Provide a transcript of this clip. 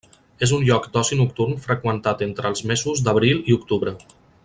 És un lloc d'oci nocturn freqüentat entre els mesos d'abril i octubre.